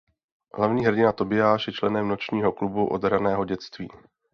Hlavní hrdina Tobiáš je členem Nočního klubu od raného dětství.